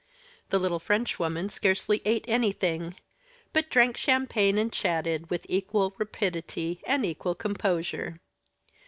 The little Frenchwoman scarcely ate anything, but drank champagne and chatted, with equal rapidity and equal composure.